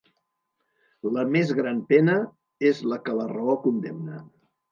La més gran pena és la que la raó condemna.